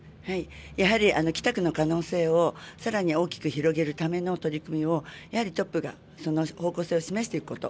やはり北区の可能性をさらに大きく広げるための取り組みを、やはりトップがその方向性を示していくこと。